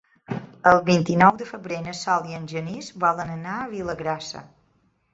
El vint-i-nou de febrer na Sol i en Genís volen anar a Vilagrassa.